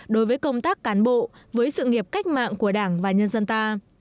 đối với công tác cán bộ với sự nghiệp cách mạng của đảng và nhân dân ta